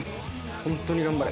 ホントに頑張れ。